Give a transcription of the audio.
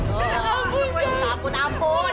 jangan sabun ampun